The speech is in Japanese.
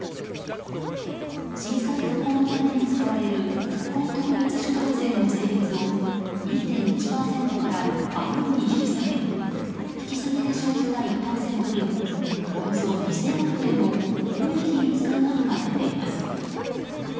震災復興のために使われる復興特別所得税を２．１％から半分に引き下げ引き下げで生じた１％分およそ２０００億円を防衛費に使う案が出ています。